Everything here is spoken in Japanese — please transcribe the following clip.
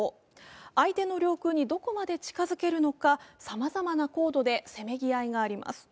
相手の領空にどこまで近づけるのかさまざまな高度でせめぎ合いがあります。